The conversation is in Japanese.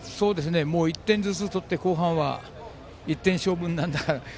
１点ずつ取って後半は１点勝負になるだろうと。